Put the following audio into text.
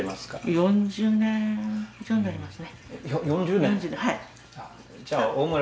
４０年以上になりますね。よ